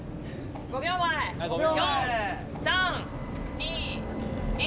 ５秒前４３２１。